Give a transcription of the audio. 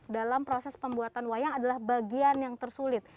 dalam proses pembuatan wayang adalah bagian yang tersulit